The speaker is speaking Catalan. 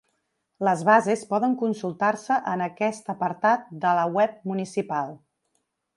Les bases poden consultar-se en aquest apartat de la web municipal.